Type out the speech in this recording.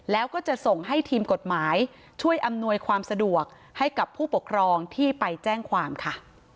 แล้วก็จะส่งให้ทีมกฎหมายช่วยอำนวยความสะดวกให้กับผู้ปกครองที่ไปแจ้งความค่ะ